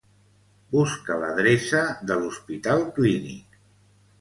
Busca l'adreça de l'Hospital Clínic.